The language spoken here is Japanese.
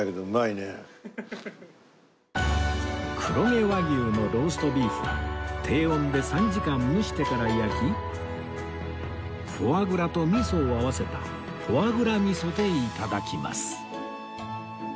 黒毛和牛のローストビーフは低温で３時間蒸してから焼きフォアグラと味噌を合わせたフォアグラ味噌で頂きます